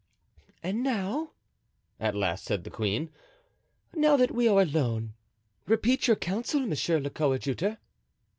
"And now," at last said the queen, "now that we are alone, repeat your counsel, monsieur le coadjuteur."